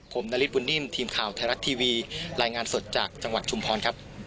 ผมนาริสบุญนิ่มทีมข่าวไทยรัฐทีวีรายงานสดจากจังหวัดชุมพรครับ